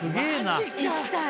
行きたい。